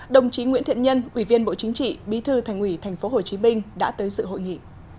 đồng chí nguyễn thiện nhân ủy viên bộ chính trị bí thư thành ủy tp hcm đã tới sự hội nghị